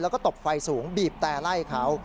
แล้วก็ตบไฟสูงบีบแต่ไล่เขา